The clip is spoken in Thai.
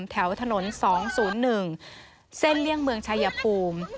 แถวถนน๒๐๑เส้นเลี่ยงเมืองชายภูมิ